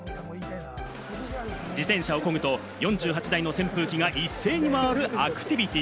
自転車をこぐと４８台の扇風機が一斉に回るアクティビティ。